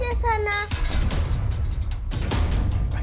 gak percaya liat sana